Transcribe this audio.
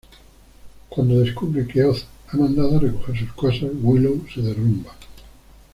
Cuando descubre que Oz ha mandado a recoger sus cosas, Willow se derrumba.